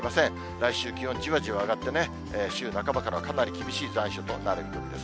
来週、気温じわじわ上がってね、週半ばからはかなり厳しい残暑となる見込みです。